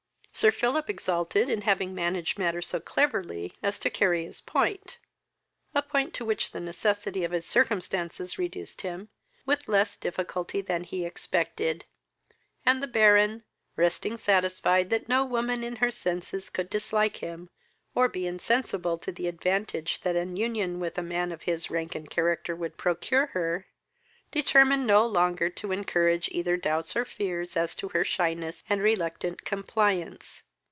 Sir Philip exulted in having managed matter so cleverly as to carry his point (a point to which the necessity of his circumstances reduced him) with less difficulty than he expected, and the Baron, resting satisfied that no woman in her senses could dislike him, or be insensible to the advantages that an union with a man of his rank and character would procure her, determined no longer to encourage either doubts or fears as to her shyness and reluctant compliance.